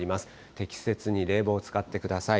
適切に冷房を使ってください。